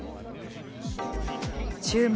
「注目！